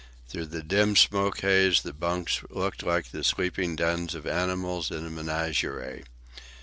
Through the dim smoke haze the bunks looked like the sleeping dens of animals in a menagerie.